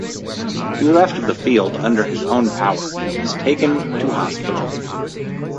He left the field under his own power and was taken to hospital.